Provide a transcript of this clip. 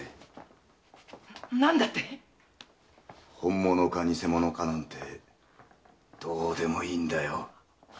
何だって⁉本物か偽物かなんてどうでもいいんだよ。